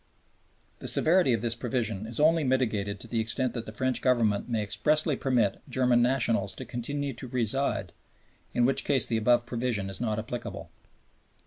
The severity of this provision is only mitigated to the extent that the French Government may expressly permit German nationals to continue to reside, in which case the above provision is not applicable.